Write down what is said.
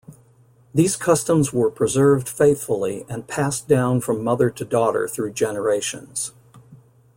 These customs were preserved faithfully and passed down from mother to daughter through generations.